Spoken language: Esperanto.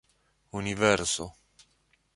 universo